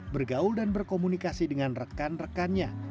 bergaul dan berkomunikasi dengan rekan rekannya